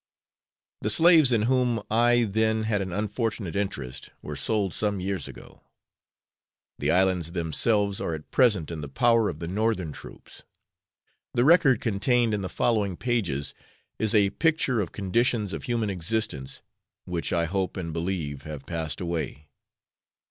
The slaves in whom I then had an unfortunate interest were sold some years ago. The islands themselves are at present in the power of the Northern troops. The record contained in the following pages is a picture of conditions of human existence which I hope and believe have passed away.